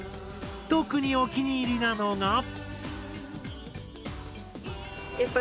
特にお気に入りなのが。